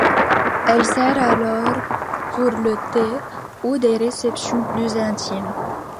Elle sert alors pour le thé ou des réceptions plus intimes.